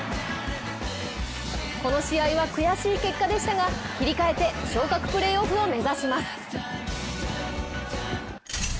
この試合は悔しい結果でしたが切り替えて昇格プレーオフを目指します。